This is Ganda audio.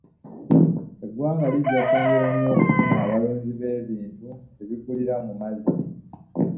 Eggwanga lijja kwongera nnyo okufuna abalunzi b'ebintu ebikulira mu mazzi.